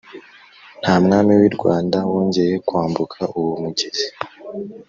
nta mwami w' i rwanda wongeye kwambuka uwo mugezi